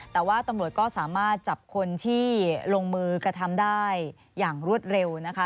แต่ว่าตำรวจก็สามารถจับคนที่ลงมือกระทำได้อย่างรวดเร็วนะคะ